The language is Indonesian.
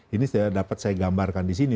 ini dapat saya gambarkan di sini